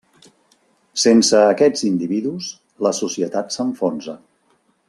Sense aquests individus, la societat s’enfonsa.